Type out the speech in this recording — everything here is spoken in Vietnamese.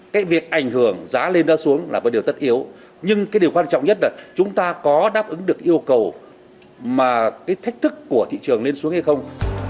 cái việc ảnh hưởng giá lên đó xuống là một điều tất yếu nhưng cái điều quan trọng nhất là chúng ta có đáp ứng được yêu cầu mà cái thách thức của thị trường nên xuống hay không